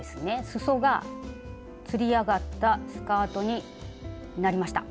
すそがつり上がったスカートになりました。